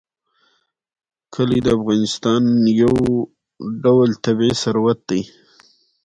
کلي د افغانستان یو ډول طبعي ثروت دی.